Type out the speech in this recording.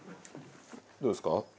どうですか？